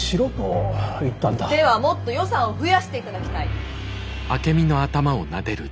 「ではもっと予算を増やして頂きたい」。